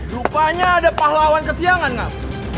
rupanya ada pahlawan kesiangan gak